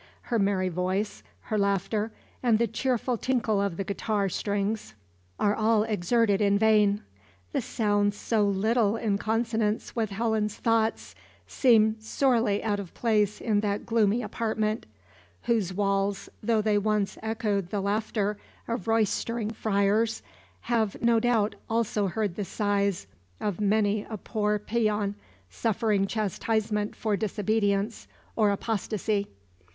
Her merry voice, her laughter, and the cheerful tinkle of the guitar strings, are all exerted in vain. The sounds so little in consonance with Helen's thoughts seem sorely out of place in that gloomy apartment; whose walls, though they once echoed the laughter of roystering friars, have, no doubt, also heard the sighs of many a poor peon suffering chastisement for disobedience, or apostacy.